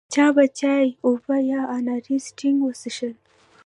چا به چای، اوبه یا اناري سټینګ وڅښل.